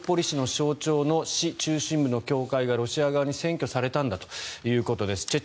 市の象徴の市中心部の教会がロシア側に占拠されたんだということです。